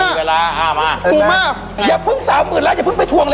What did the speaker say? อ้าวมาเปลี่ยนแม่งอย่าพึ่ง๓๐ล้านอย่าพึ่งไปทวงเลย